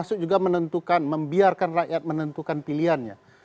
kita juga membiarkan rakyat menentukan pilihannya